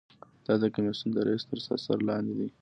دا د کمیسیون د رییس تر اثر لاندې ده.